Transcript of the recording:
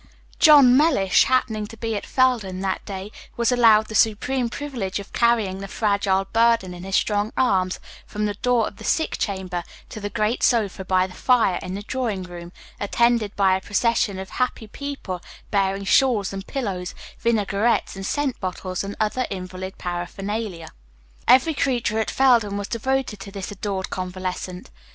John Mellish, happening to be at Felden that day, was allowed the supreme privilege of carrying the fragile burden in his strong arms from the door of the sick chamber to the great sofa by the fire in the drawing room, attended by a procession of happy people bearing shawls and pillows, vinaigrettes and scent bottles, and other invalid paraphernalia. Every creature at Felden was devoted to this adored convalescent.